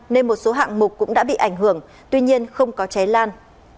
nên một số hạng mục cũng đã bị ảnh hưởng tuy nhiên không có cháy lan